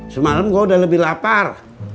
semalem gua udah lebih lapar